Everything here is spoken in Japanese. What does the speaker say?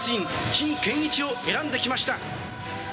陳建一を選んできました。